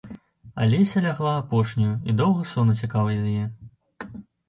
Алеся лягла апошняю, і доўга сон уцякаў ад яе.